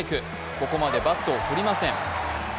ここまでバットを振りません。